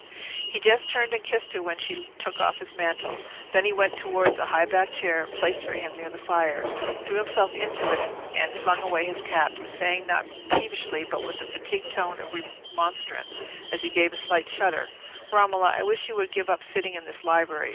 He just turned and kissed her when she took off his mantle; then he went towards a high backed chair placed for him near the fire, threw himself into it, and flung away his cap, saying, not peevishly, but in a fatigued tone of remonstrance, as he gave a slight shudder— "Romola, I wish you would give up sitting in this library.